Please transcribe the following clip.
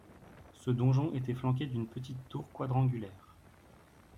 Ce donjon était flanqué d'une petite tour quadrangulaire.